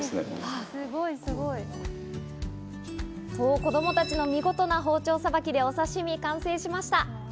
子供たちの見事な包丁さばきで、お刺し身、完成しました。